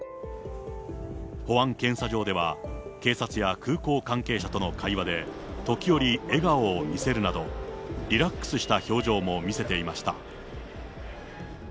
保安検査場では警察や空港関係者との会話で、時折笑顔を見せるなど、リラックスした表情も見せていました。